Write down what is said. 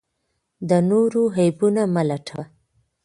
د نورو عیبونه مه لټوه.